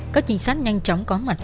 các chính sách nhanh chóng có mặt